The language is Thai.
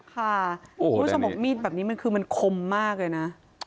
คุณผู้ชมขอบมีดแบบนี้คือคมมากเลยนะ